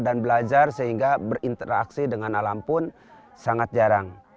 dan belajar sehingga berinteraksi dengan alam pun sangat jarang